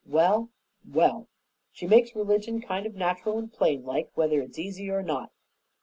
Well, well! She makes religion kind of natural and plain like, whether it's easy or not.